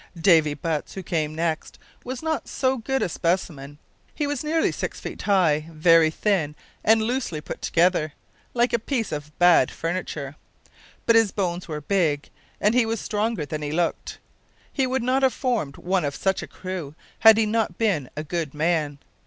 Davy Butts, who came next, was not so good a specimen. He was nearly six feet high, very thin and loosely put together, like a piece of bad furniture. But his bones were big, and he was stronger than he looked. He would not have formed one of such a crew had he not been a good man.